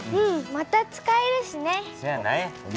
また使えるしね。